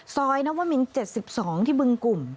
ซอยนมินทร์๗๒ที่บึงกลุ่ม